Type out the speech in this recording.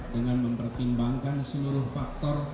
dengan mempertimbangkan seluruh faktor